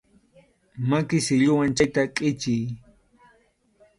Maki silluwan chayta kʼichiy.